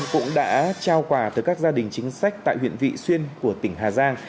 cũng đã trao quà tới các gia đình chính sách tại huyện vị xuyên của tỉnh hà giang